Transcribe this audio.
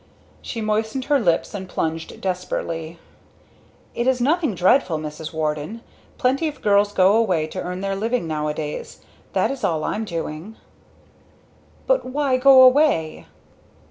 She moistened her lips and plunged desperately. "It is nothing dreadful, Mrs. Warden. Plenty of girls go away to earn their livings nowadays. That is all I'm doing." "But why go away?"